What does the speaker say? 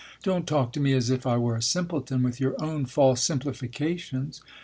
Don't talk to me as if I were a simpleton with your own false simplifications!